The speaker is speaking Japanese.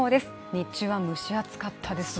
日中は蒸し暑かったですね。